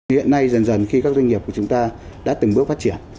hiện nay dần dần khi các doanh nghiệp của chúng ta đã từng bước phát triển